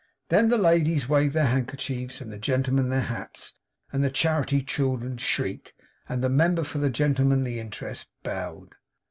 Then the ladies waved their handkerchiefs, and the gentlemen their hats, and the charity children shrieked, and the member for the Gentlemanly Interest bowed.